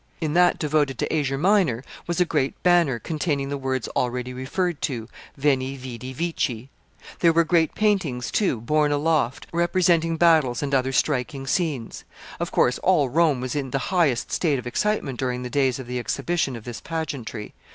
In that devoted to Asia Minor was a great banner containing the words already referred to, Veni, Vidi, Vici. There were great paintings, too, borne aloft, representing battles and other striking scenes. Of course, all Rome was in the highest state of excitement during the days of the exhibition of this pageantry.